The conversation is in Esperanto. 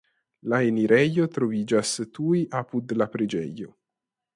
La enirejo troviĝas tuj apud la preĝejo.